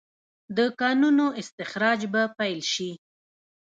د کانونو استخراج به پیل شي؟